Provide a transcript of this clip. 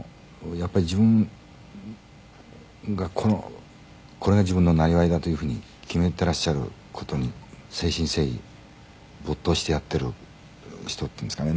「やっぱり自分がこれが自分のなりわいだというふうに決めていらっしゃる事に誠心誠意没頭してやっている人っていうんですかね」